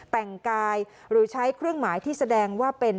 แต่งกายหรือใช้เครื่องหมายที่แสดงว่าเป็น